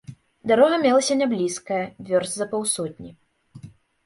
Дарога мелася не блізкая, вёрст з паўсотні.